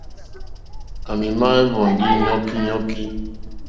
À mì má ɛ̀hwɔ̀ndí nɔ́kínɔ́kí.